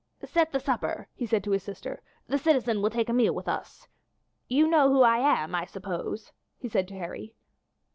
"Set the supper," he said to his sister; "the citizen will take a meal with us. You know who I am, I suppose?" he said to Harry.